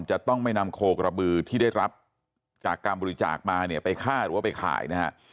จะต้องไม่นำโคกระบือที่ได้รับจากการบริจาคมาเนี่ยไปฆ่าหรือว่าไปขายนะฮะ